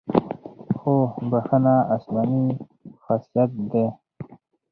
خو بښنه آسماني خاصیت دی.